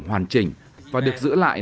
hoàn chỉnh và được giữ lại